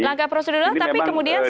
langkah prosedural tapi kemudian